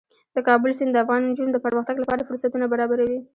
د کابل سیند د افغان نجونو د پرمختګ لپاره فرصتونه برابروي.